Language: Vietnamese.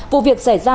vụ việc xảy ra